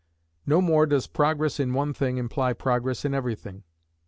No more does Progress in one thing imply Progress in every thing.